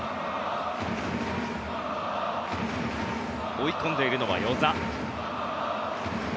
追い込んでいるのは與座。